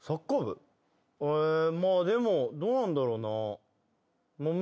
まあでもどうなんだろうな？